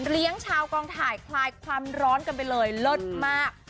ชาวกองถ่ายคลายความร้อนกันไปเลยเลิศมาก